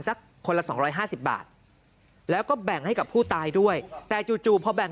สักคนละ๒๕๐บาทแล้วก็แบ่งให้กับผู้ตายด้วยแต่จู่พอแบ่ง